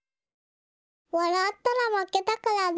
わらったらまけだからね。